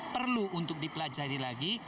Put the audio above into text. perlu untuk dipelajari lagi